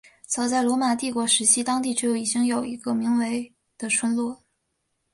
早在罗马帝国时期当地就已经有一个名为的村落。